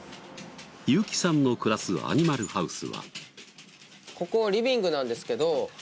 ユーキさんの暮らすアニマルハウスは。